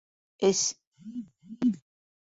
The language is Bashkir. Эс.